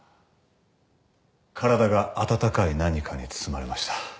体が温かい何かに包まれました。